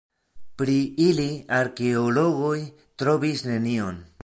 Pri ili arkeologoj trovis nenion.